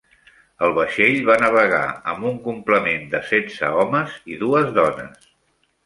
El vaixell va navegar amb un complement de setze homes i dues dones.